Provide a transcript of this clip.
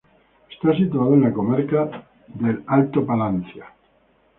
Está situado en la comarca del Alto Palancia.